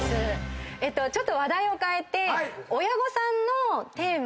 ちょっと話題を変えて親御さんのテーマに行きたい。